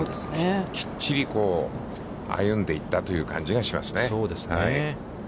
きっちりこう、歩んでいったという感じがしますね。